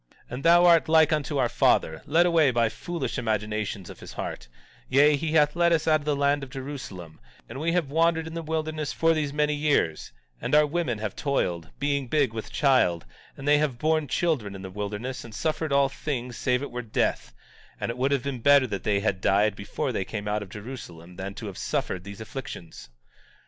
17:20 And thou art like unto our father, led away by the foolish imaginations of his heart; yea, he hath led us out of the land of Jerusalem, and we have wandered in the wilderness for these many years; and our women have toiled, being big with child; and they have borne children in the wilderness and suffered all things, save it were death; and it would have been better that they had died before they came out of Jerusalem than to have suffered these afflictions.